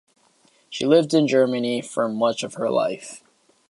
She lived in Germany for much of her life.